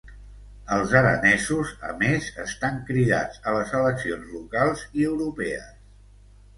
Els aranesos a més estan cridats a les eleccions locals i europees.